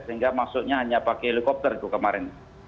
sehingga maksudnya hanya pakai helikopter itu kemarin